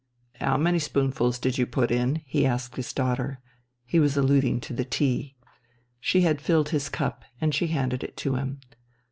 "How many spoonfuls did you put in?" he asked his daughter. He was alluding to the tea. She had filled his cup, and she handed it to him.